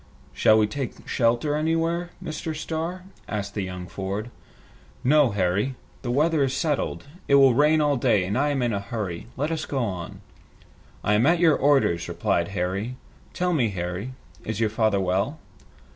"Shall we take shelter anywhere, Mr. Starr?" asked young Ford. "No, Harry. The weather is settled. It will rain all day, and I am in a hurry. Let us go on." "I am at your orders," replied Harry. "Tell me, Harry, is your father well?"